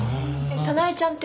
早苗ちゃんって？